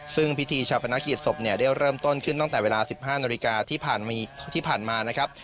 ซึ่งพิธีชาปนกิจศพเนี่ยได้เริ่มต้นขึ้นตั้งแต่เวลา๑๕นาฬิกาที่ผ่านมานะครับ